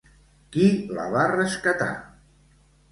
Qui la va rescatar?